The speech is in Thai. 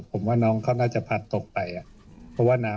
ผมว่าน้องเขาน่าจะพลัดตกไปนะ